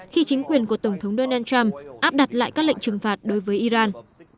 khi chính quyền của tổng thống donald trump áp đặt lại các lệnh trừng phạt đối với iran